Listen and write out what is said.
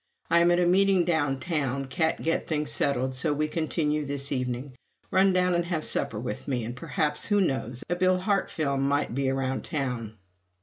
"I am at a meeting down town. Can't get things settled, so we continue this evening. Run down and have supper with me, and perhaps, who knows, a Bill Hart film might be around town!"